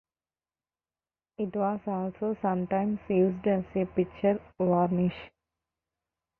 It was also sometimes used as a picture varnish.